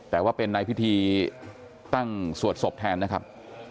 แต่ว่าเป็นในพิธีตั้งสวดศพแทนนะครับ